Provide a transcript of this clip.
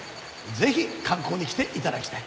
ぜひ観光に来て頂きたい。